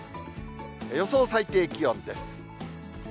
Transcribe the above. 予想最低気温です。